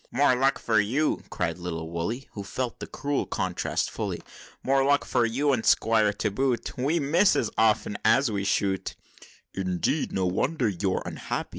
"More luck for you!" cried little Woolly, Who felt the cruel contrast fully; "More luck for you, and Squire to boot! We miss as often as we shoot!" "Indeed! No wonder you're unhappy!